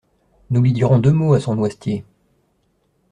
Nous lui dirons deux mots, à son noisetier…